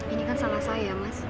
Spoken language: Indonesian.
ini kan salah saya mas